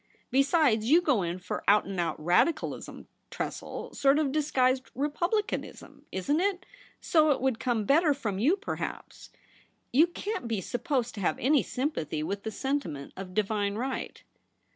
Besides, you go in fur out and out Radicalism, Tressel — sort of disguised Republicanism, isn't it ?— so it would come better from you, perhaps. You can't be supposed to have any sympathy with the sentiment of divine right.'